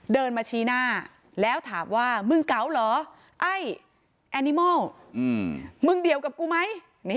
เดินมาชี้หน้าแล้วถามว่ามึงเก๋าเหรอไอ้แอนิมอลมึงเดี่ยวกับกูไหม